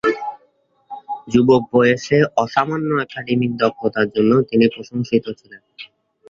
যুবক বয়সে অসামান্য একাডেমিক দক্ষতার জন্য তিনি প্রশংসিত ছিলেন।